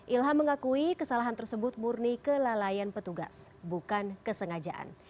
ilham mengakui kesalahan tersebut murni kelalaian petugas bukan kesengajaan